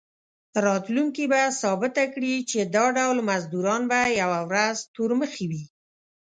راتلونکي به ثابته کړي چې دا ډول مزدوران به یوه ورځ تورمخي وي.